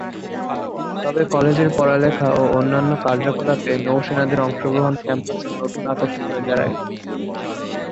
তবে কলেজের পড়ালেখা ও অন্যান্য কার্যকলাপে নৌ-সেনাদের অংশগ্রহণ ক্যাম্পাসের নতুন আকর্ষণ হয়ে দাঁড়ায়।